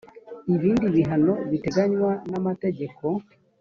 ibindi bihano biteganywa n amategeko